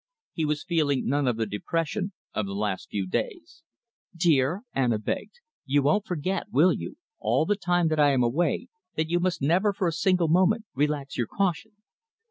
He was feeling none of the depression of the last few days. "Dear," Anna begged, "you won't forget, will you, all the time that I am away, that you must never for a single moment relax your caution?